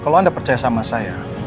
kalau anda percaya sama saya